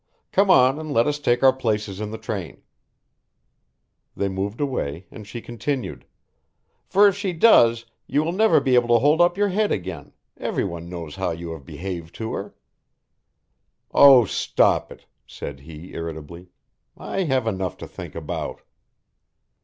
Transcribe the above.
Come on and let us take our places in the train." They moved away and she continued. "For if she does you will never be able to hold up your head again, everyone knows how you have behaved to her." "Oh, stop it," said he irritably. "I have enough to think about."